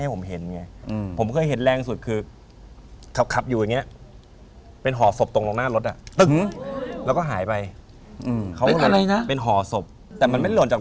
พอ๔เริ่มแบบเจ็บแล้วนะ